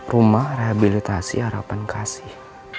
rumah rehabilitasi harapan kasih